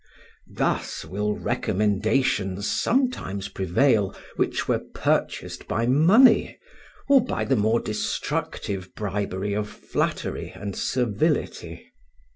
Thus will recommendations sometimes prevail which were purchased by money or by the more destructive bribery of flattery and servility.